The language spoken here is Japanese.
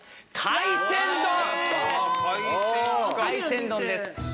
海鮮丼です。